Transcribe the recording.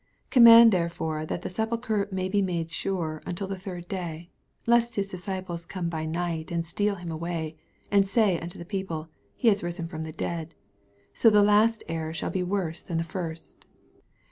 64 Command therefore that the se Sulchre be made sure until the third ay, lest his disciples oome by night, and steal him away, and say unto the people, He is risen from the dead : so the last error shall be worse than the first.